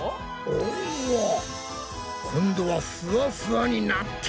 お今度はふわふわになったじゃん！